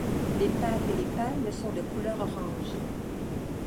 Les pattes et les palmes sont de couleur orange.